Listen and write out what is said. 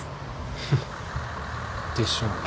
フンッ。でしょうね。